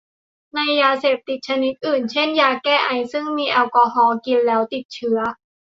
ในยาเสพติดชนิดอื่น เช่นยาแก้ไอ ซึ่งมีแอลกอฮอล์ กินแล้วติด